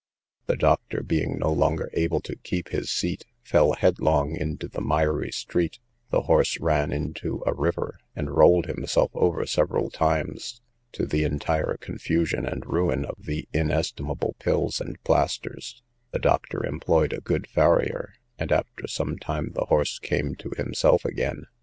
The doctor, being no longer able to keep his seat, fell headlong into the miry street; the horse ran into a river, and rolled himself over several times, to the entire confusion and ruin of the inestimable pills and plasters; the doctor employed a good farrier, and after some time the horse came to himself again.